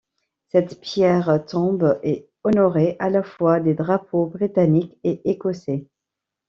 Cette pierre tombe est honorée à la fois des drapeaux britannique et écossais.